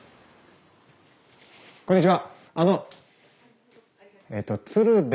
こんにちは！